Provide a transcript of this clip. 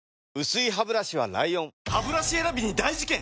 薄いハブラシは ＬＩＯＮハブラシ選びに大事件！